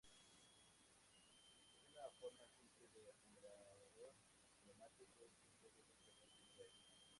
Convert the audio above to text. Una forma simple de acumulador neumático es un volumen cerrado lleno de aire.